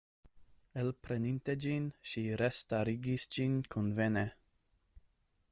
Elpreninte ĝin, ŝi restarigis ĝin konvene.